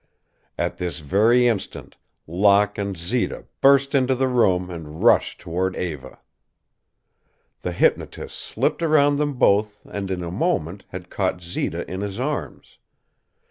At this very instant Locke and Zita burst into the room and rushed toward Eva. The hypnotist slipped around them both and in a moment had caught Zita in his arms.